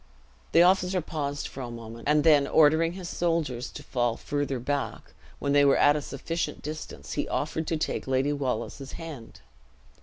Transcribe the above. The officer paused for a moment, and then, ordering his soldiers to fall further back, when they were at a sufficient distance, he offered to take Lady Wallace's hand.